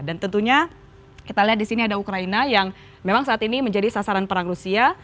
dan tentunya kita lihat disini ada ukraina yang memang saat ini menjadi sasaran perang rusia